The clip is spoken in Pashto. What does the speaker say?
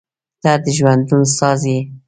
• ته د ژوندون ساز یې.